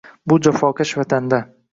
Shu jafokash vatanda?